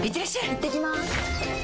いってきます！